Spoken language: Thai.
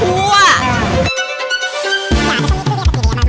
ข้าวคั่ว